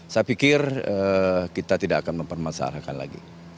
saya pikir kita tidak akan mempermasalahkan lagi